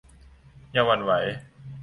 อย่าหวั่นไหว